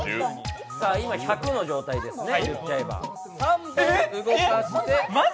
今１００の状態ですね。